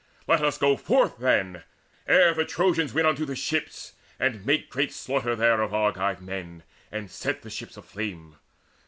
Let us go forth then, ere the Trojans win Unto the ships, and make great slaughter there Of Argive men, and set the ships aflame.